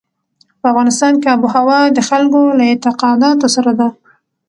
په افغانستان کې آب وهوا د خلکو له اعتقاداتو سره ده.